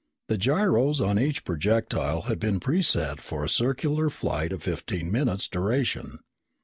The gyros on each projectile had been preset for a circular flight of fifteen minutes' duration.